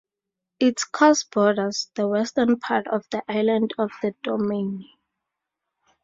Its course borders the western part of the island of the Domaine.